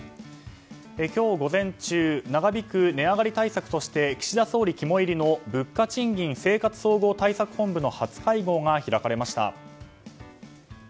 今日午前中長引く値上がり対策として岸田総理肝煎りの物価・賃金・生活総合対策本部の初会合が開かれました。